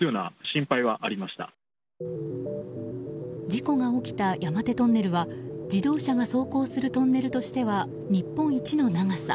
事故が起きた山手トンネルは自動車が走行するトンネルとしては日本一の長さ。